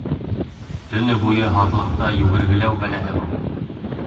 — Төнө буйы һаҙлыҡта йүгергеләү бәләһе был.